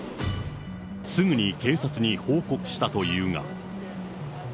すぐに警察に報告したというが。